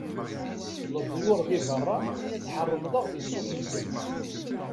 Leḍyur di berra, tḥermeḍ-aɣ di ṣṣut-nsen.